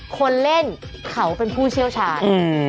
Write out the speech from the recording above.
คนเล่นเขาเป็นผู้เชี่ยวชาญ